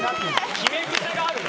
決め癖があるな。